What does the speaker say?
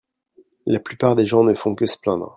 La plupart des gens ne font que se plaindre.